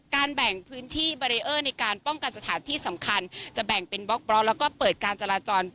การแบ่งพื้นที่ในการป้องกันสถานที่สำคัญจะแบ่งเป็นแล้วก็เปิดการจราจร